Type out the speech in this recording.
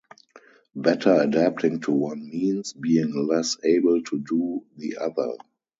Better adapting to one means being less able to do the other.